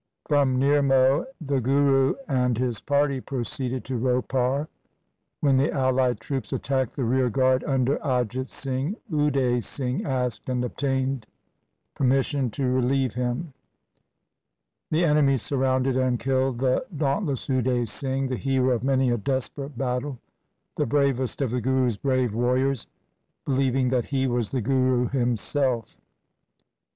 From Nirmoh the Guru and his party proceeded to Ropar. When the allied troops attacked the rear guard under Ajit Singh, Ude Singh asked and obtained permission to relieve him. The enemy surrounded and killed the daunt less Ude Singh, the hero of many a desperate battle, the bravest of the Guru's brave warriors, believing that he was the Guru himself.